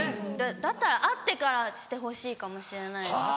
だったら会ってからしてほしいかもしれないです。